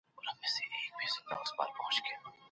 وخت به دي خوندي وای .